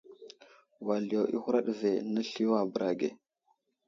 Wal yo i huraɗ ve, nəsliyo a bəra ge.